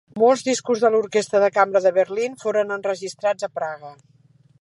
Molts discos de l'Orquestra de Cambra de Berlín foren enregistrats a Praga.